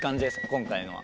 今回のは。